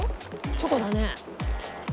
チョコだね。